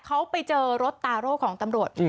เขาไปเจอรถตาโร่ของตำรวจ